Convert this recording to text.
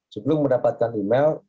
sebelum mendapatkan email